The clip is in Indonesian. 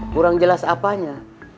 kurang jelas apanya